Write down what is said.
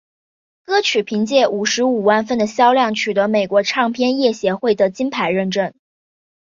歌曲凭借五十万份的销量取得美国唱片业协会的金牌认证。